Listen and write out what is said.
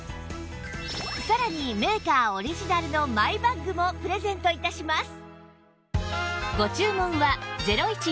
さらにメーカーオリジナルのマイバッグもプレゼント致します